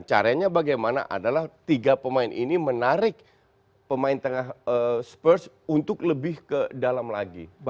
caranya bagaimana adalah tiga pemain ini menarik pemain tengah spurs untuk lebih ke dalam lagi